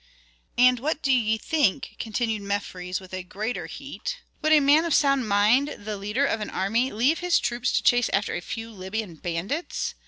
"And what do ye think," continued Mefres, with greater heat, "would a man of sound mind, the leader of an army, leave his troops to chase after a few Libyan bandits?